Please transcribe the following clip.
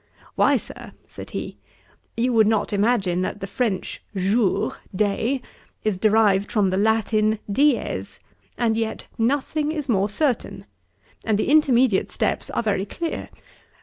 'Why, Sir, (said he,) you would not imagine that the French jour, day, is derived from the Latin dies, and yet nothing is more certain; and the intermediate steps are very clear.